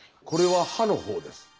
これは刃のほうです。